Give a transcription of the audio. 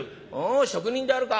職人であるか？